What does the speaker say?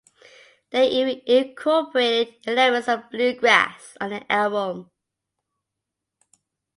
They even incorporated elements of bluegrass on the album.